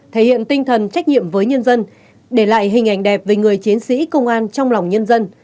thể hiện tinh thần trách nhiệm với nhân dân để lại hình ảnh đẹp về người chiến sĩ công an trong lòng nhân dân